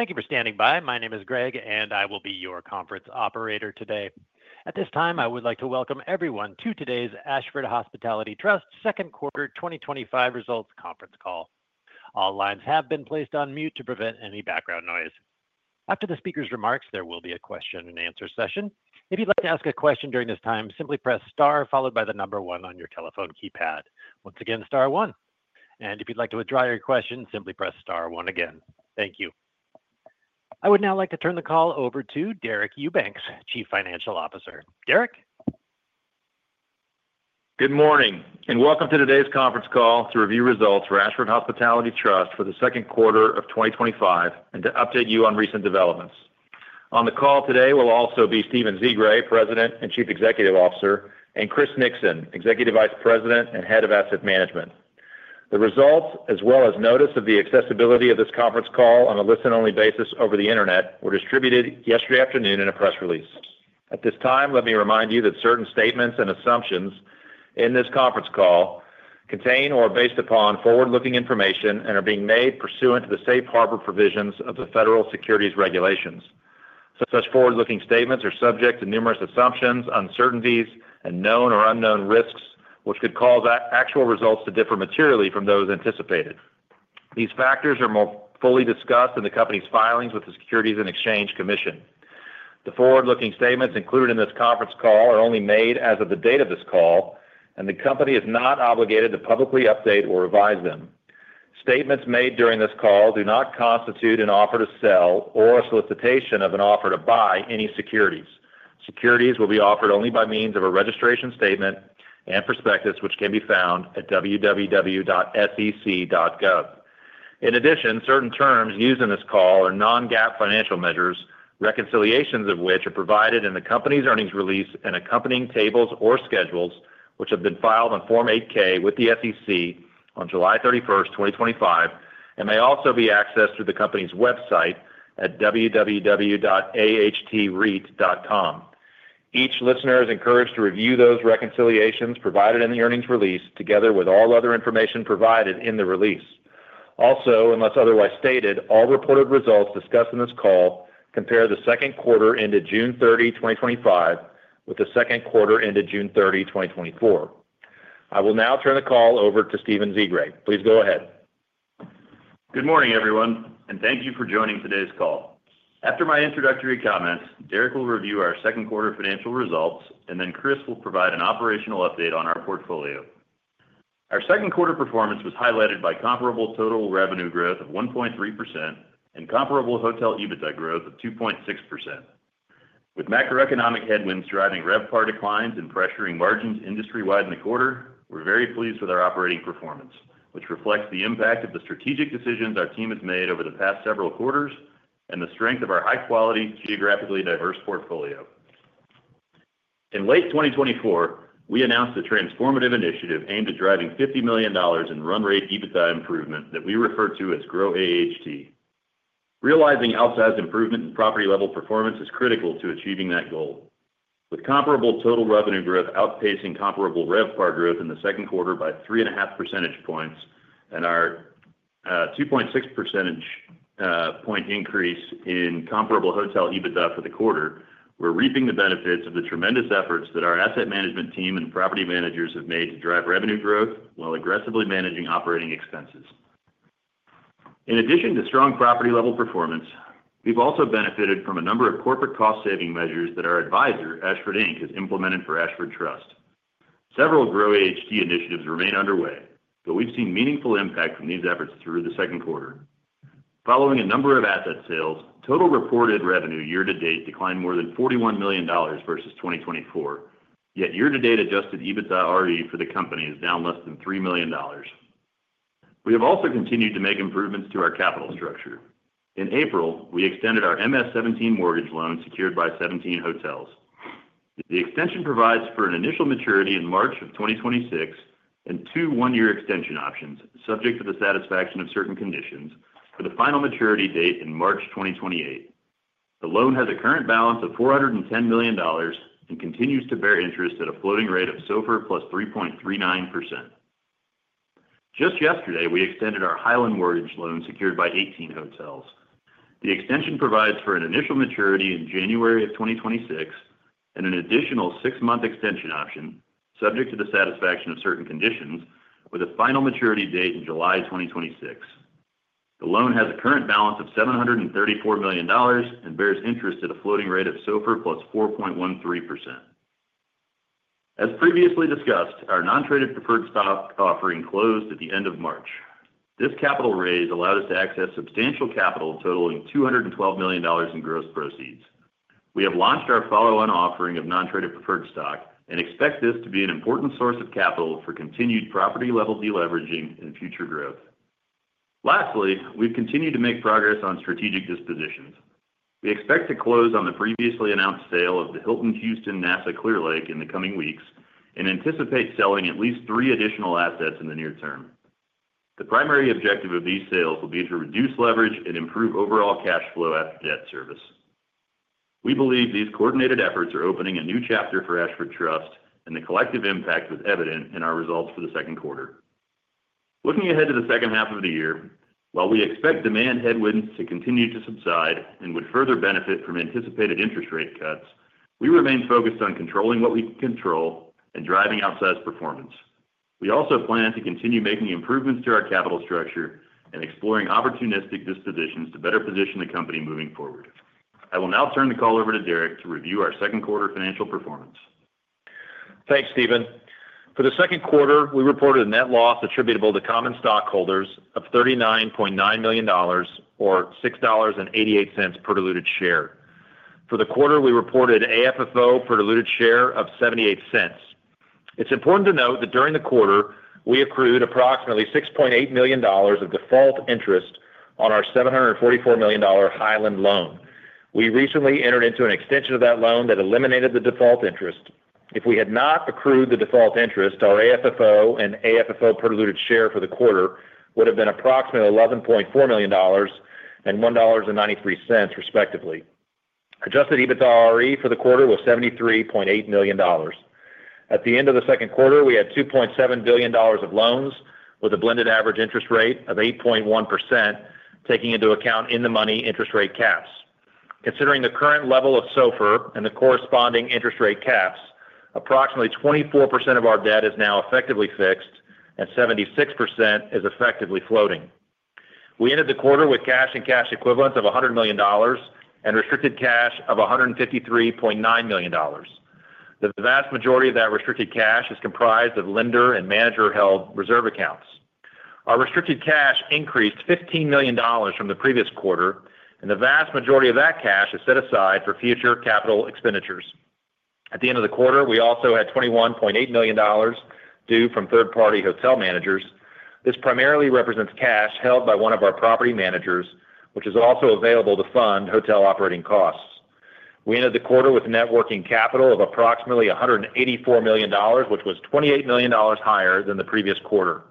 Thank you for standing by. My name is Greg, and I will be your conference operator today. At this time, I would like to welcome everyone to today's Ashford Hospitality Trust Second Quarter 2025 Results Conference Call. All lines have been placed on mute to prevent any background noise. After the speaker's remarks, there will be a question-and-answer session. If you'd like to ask a question during this time, simply press star followed by the number one on your telephone keypad. Once again, star one. If you'd like to withdraw your question, simply press star one again. Thank you. I would now like to turn the call over to Deric Eubanks, Chief Financial Officer. Deric? Good morning, and welcome to today's conference call to review results for Ashford Hospitality Trust for the second quarter of 2025 and to update you on recent developments. On the call today will also be Stephen Zsigray, President and Chief Executive Officer, and Chris Nixon, Executive Vice President and Head of Asset Management. The results, as well as notice of the accessibility of this conference call on a listen-only basis over the internet, were distributed yesterday afternoon in a press release. At this time, let me remind you that certain statements and assumptions in this conference call contain or are based upon forward-looking information and are being made pursuant to the safe harbor provisions of the Federal Securities Regulations. Such forward-looking statements are subject to numerous assumptions, uncertainties, and known or unknown risks which could cause actual results to differ materially from those anticipated. These factors are fully discussed in the company's filings with the Securities and Exchange Commission. The forward-looking statements included in this conference call are only made as of the date of this call, and the company is not obligated to publicly update or revise them. Statements made during this call do not constitute an offer to sell or a solicitation of an offer to buy any securities. Securities will be offered only by means of a registration statement and prospectus, which can be found at www.sec.gov. In addition, certain terms used in this call are non-GAAP financial measures, reconciliations of which are provided in the company's earnings release and accompanying tables or schedules, which have been filed on Form 8-K with the SEC on July 31st, 2025, and may also be accessed through the company's website at www.ahtreit.com. Each listener is encouraged to review those reconciliations provided in the earnings release together with all other information provided in the release. Also, unless otherwise stated, all reported results discussed in this call compare the second quarter ended June 30th, 2025 with the second quarter ended June 30th, 2024. I will now turn the call over to Stephen Zsigray. Please go ahead. Good morning, everyone, and thank you for joining today's call. After my introductory comments, Deric will review our second quarter financial results, and then Chris will provide an operational update on our portfolio. Our second quarter performance was highlighted by comparable total revenue growth of 1.3% and comparable hotel EBITDA growth of 2.6%. With macroeconomic headwinds driving RevPAR declines and pressuring margins industry-wide in the quarter, we're very pleased with our operating performance, which reflects the impact of the strategic decisions our team has made over the past several quarters and the strength of our high-quality, geographically diverse portfolio. In late 2024, we announced a transformative initiative aimed at driving $50 million in run-rate EBITDA improvement that we refer to as GRO AHT. Realizing outsized improvement in property-level performance is critical to achieving that goal. With comparable total revenue growth outpacing comparable RevPAR growth in the second quarter by 3.5% points and our 2.6% point increase in comparable hotel EBITDA for the quarter, we're reaping the benefits of the tremendous efforts that our asset management team and property managers have made to drive revenue growth while aggressively managing operating expenses. In addition to strong property-level performance, we've also benefited from a number of corporate cost-saving measures that our advisor, Ashford Inc., has implemented for Ashford Hospitality Trust. Several GRO AHT initiatives remain underway, but we've seen meaningful impact from these efforts through the second quarter. Following a number of asset sales, total reported revenue year-to-date declined more than $41 million versus 2024, yet year-to-date adjusted EBITDA RE for the company is down less than $3 million. We have also continued to make improvements to our capital structure. In April, we extended our MS17 mortgage loan secured by 17 hotels. The extension provides for an initial maturity in March of 2026 and two one-year extension options, subject to the satisfaction of certain conditions, for the final maturity date in March 2028. The loan has a current balance of $410 million and continues to bear interest at a floating rate of SOFR +3.39%. Just yesterday, we extended our Highland Mortgage loan secured by 18 hotels. The extension provides for an initial maturity in January of 2026 and an additional six-month extension option, subject to the satisfaction of certain conditions, with a final maturity date in July 2026. The loan has a current balance of $734 million and bears interest at a floating rate of SOFR +4.13%. As previously discussed, our non-traded preferred stock offering closed at the end of March. This capital raise allowed us to access substantial capital totaling $212 million in gross proceeds. We have launched our follow-on offering of non-traded preferred stock and expect this to be an important source of capital for continued property-level deleveraging and future growth. Lastly, we've continued to make progress on strategic dispositions. We expect to close on the previously announced sale of the Hilton Houston NASA Clear Lake in the coming weeks and anticipate selling at least three additional assets in the near term. The primary objective of these sales will be to reduce leverage and improve overall cash flow after debt service. We believe these coordinated efforts are opening a new chapter for Ashford Hospitality Trust, and the collective impact was evident in our results for the second quarter. Looking ahead to the second half of the year, while we expect demand headwinds to continue to subside and would further benefit from anticipated interest rate cuts, we remain focused on controlling what we can control and driving outsized performance. We also plan to continue making improvements to our capital structure and exploring opportunistic dispositions to better position the company moving forward. I will now turn the call over to Deric to review our second quarter financial performance. Thanks, Stephen. For the second quarter, we reported a net loss attributable to common stockholders of $39.9 million, or $6.88 per diluted share. For the quarter, we reported an AFFO per diluted share of $0.78. It's important to note that during the quarter, we accrued approximately $6.8 million of default interest on our $744 million Highland loan. We recently entered into an extension of that loan that eliminated the default interest. If we had not accrued the default interest, our AFFO and AFFO per diluted share for the quarter would have been approximately $11.4 million and $1.93, respectively. Adjusted EBITDA RE for the quarter was $73.8 million. At the end of the second quarter, we had $2.7 billion of loans with a blended average interest rate of 8.1%, taking into account in-the-money interest rate caps. Considering the current level of SOFR and the corresponding interest rate caps, approximately 24% of our debt is now effectively fixed and 76% is effectively floating. We ended the quarter with cash and cash equivalents of $100 million and restricted cash of $153.9 million. The vast majority of that restricted cash is comprised of lender and manager-held reserve accounts. Our restricted cash increased $15 million from the previous quarter, and the vast majority of that cash is set aside for future capital expenditures. At the end of the quarter, we also had $21.8 million due from third-party hotel managers. This primarily represents cash held by one of our property managers, which is also available to fund hotel operating costs. We ended the quarter with networking capital of approximately $184 million, which was $28 million higher than the previous quarter.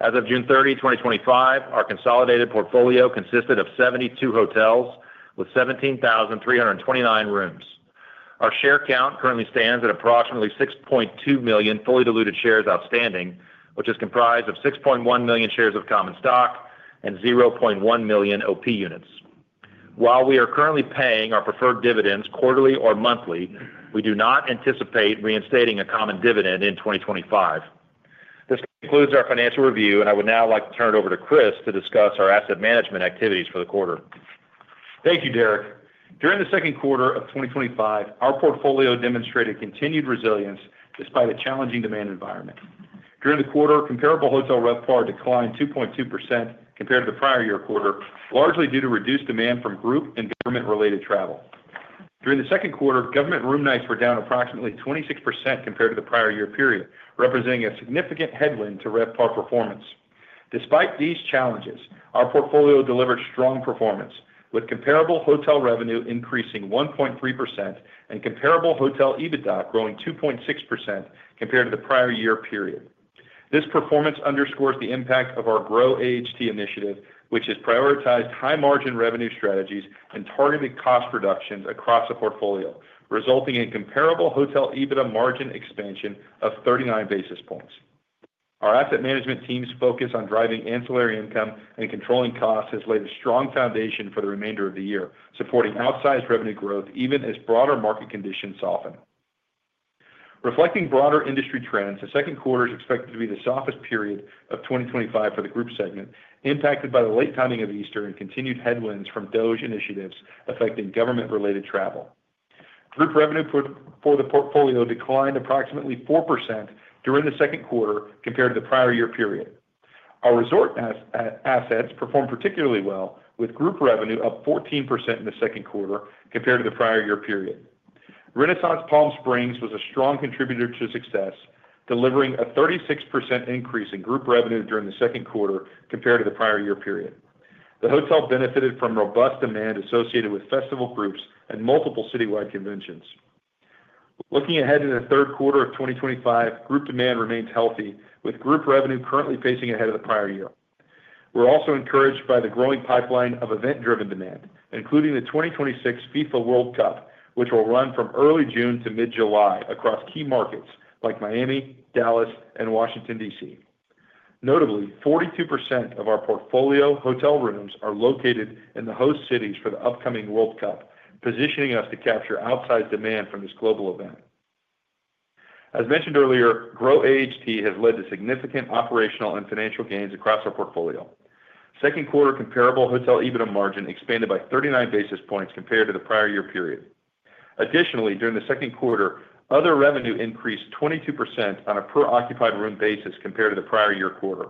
As of June 30th, 2025, our consolidated portfolio consisted of 72 hotels with 17,329 rooms. Our share count currently stands at approximately 6.2 million fully diluted shares outstanding, which is comprised of 6.1 million shares of common stock and 0.1 million OP units. While we are currently paying our preferred dividends quarterly or monthly, we do not anticipate reinstating a common dividend in 2025. This concludes our financial review, and I would now like to turn it over to Chris to discuss our asset management activities for the quarter. Thank you, Deric. During the second quarter of 2025, our portfolio demonstrated continued resilience despite a challenging demand environment. During the quarter, comparable hotel RevPAR declined 2.2% compared to the prior year quarter, largely due to reduced demand from group and government-related travel. During the second quarter, government room nights were down approximately 26% compared to the prior year period, representing a significant headwind to RevPAR performance. Despite these challenges, our portfolio delivered strong performance, with comparable hotel revenue increasing 1.3% and comparable hotel EBITDA growing 2.6% compared to the prior year period. This performance underscores the impact of our GRO AHT initiative, which has prioritized high-margin revenue strategies and targeted cost reductions across the portfolio, resulting in comparable hotel EBITDA margin expansion of 39 basis points. Our asset management team's focus on driving ancillary income and controlling costs has laid a strong foundation for the remainder of the year, supporting outsized revenue growth even as broader market conditions soften. Reflecting broader industry trends, the second quarter is expected to be the softest period of 2025 for the group segment, impacted by the late timing of Easter and continued headwinds from DOGE initiatives affecting government-related travel. Group revenue for the portfolio declined approximately 4% during the second quarter compared to the prior year period. Our resort assets performed particularly well, with group revenue up 14% in the second quarter compared to the prior year period. Renaissance Palm Springs was a strong contributor to success, delivering a 36% increase in group revenue during the second quarter compared to the prior year period. The hotel benefited from robust demand associated with festival groups and multiple city-wide conventions. Looking ahead to the third quarter of 2025, group demand remains healthy, with group revenue currently facing ahead of the prior year. We're also encouraged by the growing pipeline of event-driven demand, including the 2026 FIFA World Cup, which will run from early June to mid-July across key markets like Miami, Dallas, and Washington, D.C. Notably, 42% of our portfolio hotel rooms are located in the host cities for the upcoming World Cup, positioning us to capture outsized demand from this global event. As mentioned earlier, GRO AHT has led to significant operational and financial gains across our portfolio. Second quarter comparable hotel EBITDA margin expanded by 39 basis points compared to the prior year period. Additionally, during the second quarter, other revenue increased 22% on a per occupied room basis compared to the prior year quarter.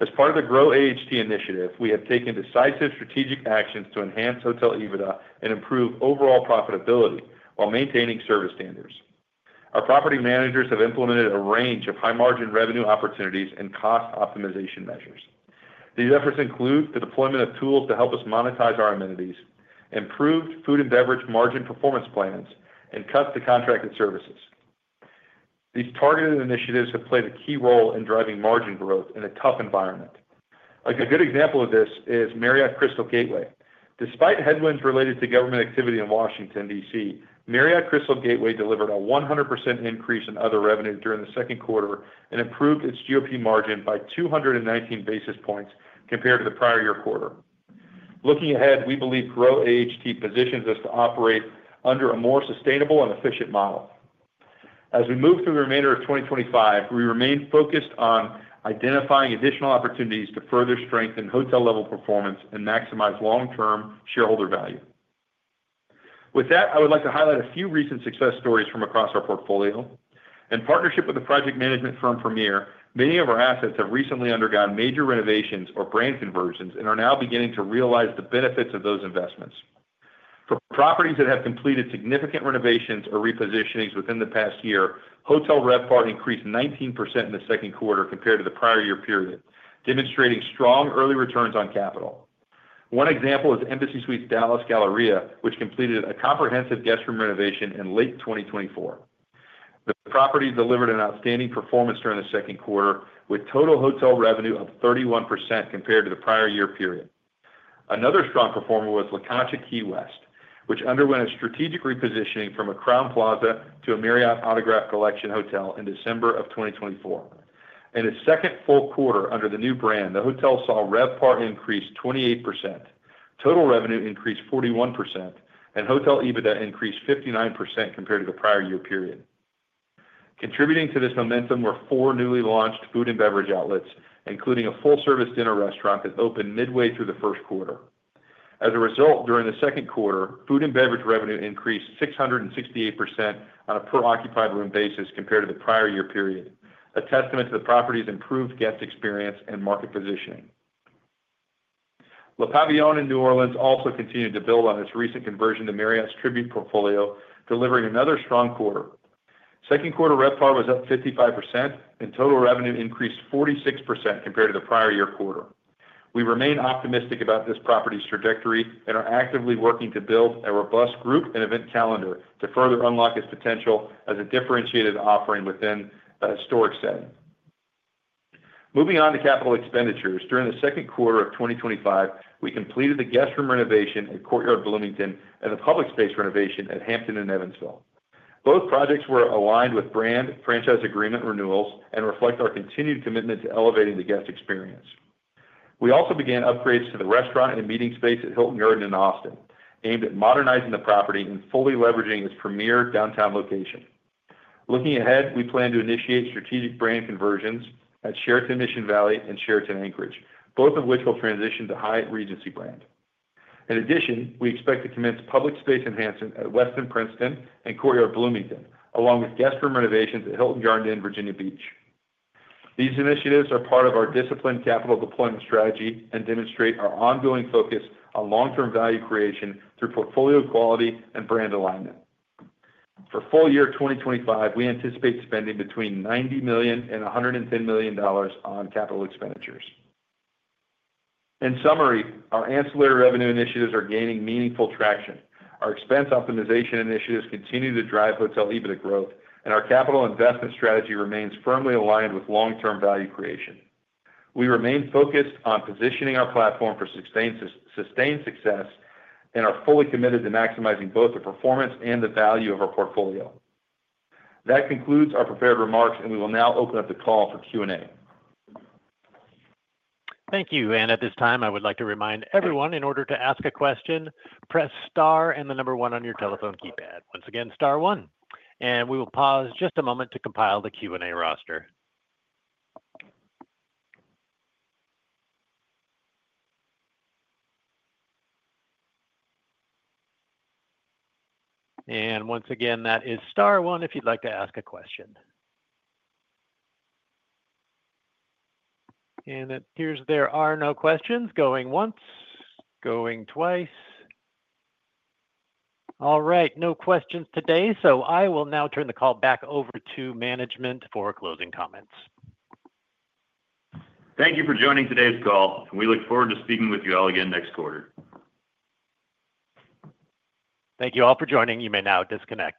As part of the GRO AHT initiative, we have taken decisive strategic actions to enhance hotel EBITDA and improve overall profitability while maintaining service standards. Our property managers have implemented a range of high-margin revenue opportunities and cost optimization measures. These efforts include the deployment of tools to help us monetize our amenities, improved food and beverage margin performance plans, and cuts to contracted services. These targeted initiatives have played a key role in driving margin growth in a tough environment. A good example of this is Marriott Crystal Gateway. Despite headwinds related to government activity in Washington, D.C., Marriott Crystal Gateway delivered a 100% increase in other revenue during the second quarter and improved its GOP margin by 219 basis points compared to the prior year quarter. Looking ahead, we believe GRO AHT positions us to operate under a more sustainable and efficient model. As we move through the remainder of 2025, we remain focused on identifying additional opportunities to further strengthen hotel-level performance and maximize long-term shareholder value. With that, I would like to highlight a few recent success stories from across our portfolio. In partnership with the project management firm Premier, many of our assets have recently undergone major renovations or brand conversions and are now beginning to realize the benefits of those investments. For properties that have completed significant renovations or repositionings within the past year, hotel RevPAR increased 19% in the second quarter compared to the prior year period, demonstrating strong early returns on capital. One example is Embassy Suites Dallas Galleria, which completed a comprehensive guest room renovation in late 2024. The property delivered an outstanding performance during the second quarter, with total hotel revenue up 31% compared to the prior year period. Another strong performer was La Concha Key West, which underwent a strategic repositioning from a Crowne Plaza to a Marriott Autograph Collection Hotel in December of 2024. In its second full quarter under the new brand, the hotel saw RevPAR increase 28%, total revenue increase 41%, and hotel EBITDA increase 59% compared to the prior year period. Contributing to this momentum were four newly launched food and beverage outlets, including a full-service dinner restaurant that opened midway through the first quarter. As a result, during the second quarter, food and beverage revenue increased 668% on a per occupied room basis compared to the prior year period, a testament to the property's improved guest experience and market positioning. La Concha Hotel in New Orleans also continued to build on its recent conversion to Marriott’s Tribute Portfolio, delivering another strong quarter. Second quarter RevPAR was up 55%, and total revenue increased 46% compared to the prior year quarter. We remain optimistic about this property's trajectory and are actively working to build a robust group and event calendar to further unlock its potential as a differentiated offering within a historic setting. Moving on to capital expenditures, during the second quarter of 2025, we completed the guest room renovation at Courtyard Bloomington and the public space renovation at Hampton and Evansville. Both projects were aligned with brand franchise agreement renewals and reflect our continued commitment to elevating the guest experience. We also began upgrades to the restaurant and meeting space at Hilton Garden in Austin, aimed at modernizing the property and fully leveraging its premier downtown location. Looking ahead, we plan to initiate strategic brand conversions at Sheraton Mission Valley and Sheraton Anchorage, both of which will transition to Hyatt Regency brand. In addition, we expect to commence public space enhancement at Western Princeton and Courtyard Bloomington, along with guest room renovations at Hilton Garden in Virginia Beach. These initiatives are part of our disciplined capital deployment strategy and demonstrate our ongoing focus on long-term value creation through portfolio quality and brand alignment. For full year 2025, we anticipate spending between $90 million and $110 million on capital expenditures. In summary, our ancillary revenue initiatives are gaining meaningful traction, our expense optimization initiatives continue to drive hotel EBITDA growth, and our capital investment strategy remains firmly aligned with long-term value creation. We remain focused on positioning our platform for sustained success and are fully committed to maximizing both the performance and the value of our portfolio. That concludes our prepared remarks, and we will now open up the call for Q&A. Thank you, and at this time, I would like to remind everyone, in order to ask a question, press star and the number one on your telephone keypad. Once again, star one. We will pause just a moment to compile the Q&A roster. Once again, that is star one if you'd like to ask a question. It appears there are no questions going once, going twice. All right, no questions today, so I will now turn the call back over to management for closing comments. Thank you for joining today's call, and we look forward to speaking with you all again next quarter. Thank you all for joining. You may now disconnect.